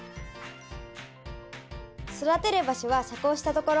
育てる場所は遮光したところ。